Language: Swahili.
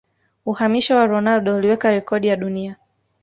Uhamisho wa Ronaldo uliweka rekodi ya dunia